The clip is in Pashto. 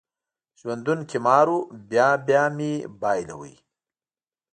ژوندون قمار و، بیا بیا مې بایلود